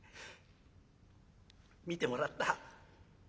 診てもらった。